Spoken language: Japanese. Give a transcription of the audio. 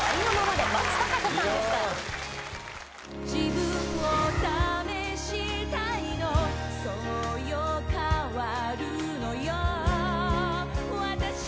「自分を試したいのそうよ変わるのよわたし」